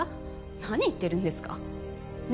何言ってるんですかね